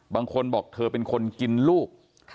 บางคนบอกเธอเป็นคนกินลูก